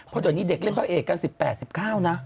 เพราะว่าเด็กเล่นภักดีแบบกัน๑๘๑๙นะ